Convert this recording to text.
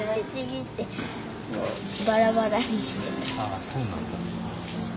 あそうなんだ。